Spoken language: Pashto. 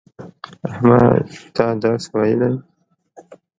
احمده تا درس ویلی